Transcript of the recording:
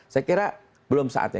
saya kira belum saatnya